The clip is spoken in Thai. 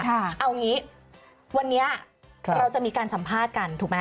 เอางี้วันนี้เราจะมีการสัมภาษณ์กันถูกไหม